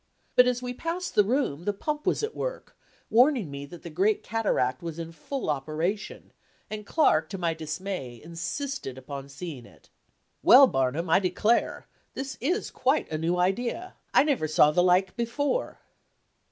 But as we passed the room the pump was at work, warning me that the great cataract was in full operation, and Clark, to my dismay, insisted upon seeing it. "Well, Barnum, I declare, this is quite a new idea; I never saw the like before."